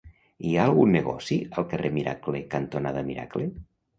Hi ha algun negoci al carrer Miracle cantonada Miracle?